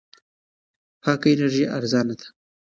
پاکه انرژي ارزان ده.